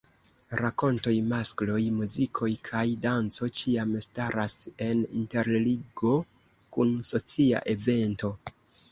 Rakontoj, maskoj, muziko kaj danco ĉiam staras en interligo kun socia evento.